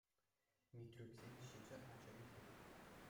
Митрюксен ҫичӗ ача ӳсет.